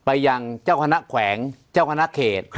ไปยังเจ้าคณะแขวงเจ้าคณะเขต